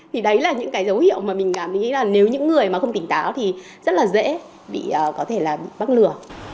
thì đấy là những cái dấu hiệu mà mình cảm thấy là nếu những người mà không tỉnh táo thì rất là dễ bị có thể là bị bắt lừa